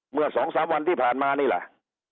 เมื่อ๒๓วันที่ผ่านมานี่แหละ